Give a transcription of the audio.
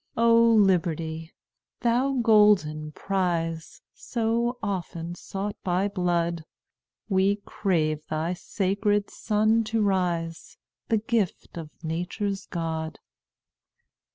"O Liberty! thou golden prize, So often sought by blood, We crave thy sacred sun to rise, The gift of Nature's God.